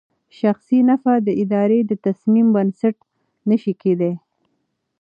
شخصي نفعه د اداري تصمیم بنسټ نه شي کېدای.